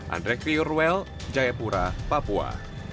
andrek fiorwell jayapura papua